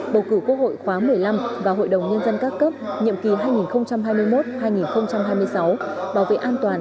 bầu cử quốc hội khóa một mươi năm và hội đồng nhân dân các cấp nhiệm kỳ hai nghìn hai mươi một hai nghìn hai mươi sáu bảo vệ an toàn